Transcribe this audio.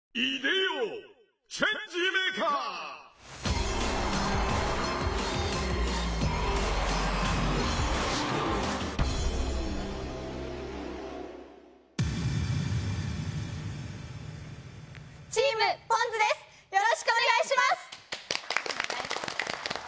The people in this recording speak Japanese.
よろしくお願いします。